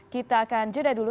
kita akan jeda dulu